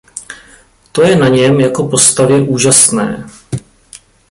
To je na něm jako postavě úžasné.